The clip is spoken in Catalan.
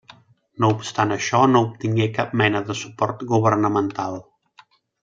No obstant això, no obtingué cap mena de suport governamental.